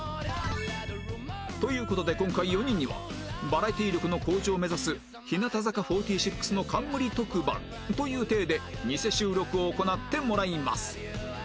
という事で今回４人にはバラエティ力の向上を目指す日向坂４６の冠特番という体でニセ収録を行ってもらいます